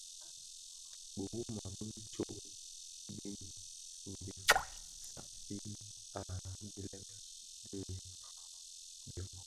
Biwuma bi tsog bin mbiň sakti sakti a dhilem bi byō.